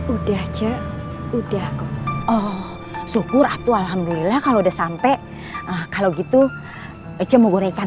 udah cek udah kok oh syukur atuh alhamdulillah kalau udah sampai kalau gitu aja mau gorengkan